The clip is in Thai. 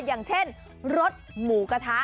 อย่างเช่นรสหมูกระทะ